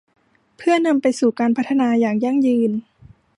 เพื่อนำไปสู่การพัฒนาอย่างยั่งยืน